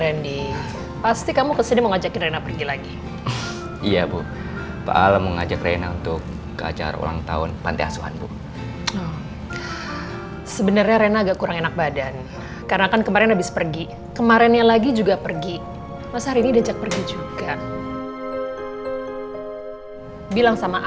andin pasti tau kalo keluarganya membuang rena ke patiasuan mutera bunda ini